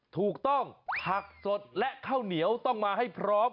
ถูกต้องผักสดและข้าวเหนียวต้องมาให้พร้อม